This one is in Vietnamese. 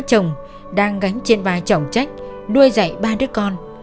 các chồng đang gánh trên vai chồng trách nuôi dạy ba đứa con